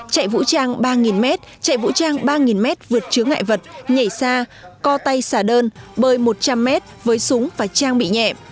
chạy vũ trang ba m chạy vũ trang ba m vượt chứa ngại vật nhảy xa co tay xả đơn bơi một trăm linh m với súng và trang bị nhẹ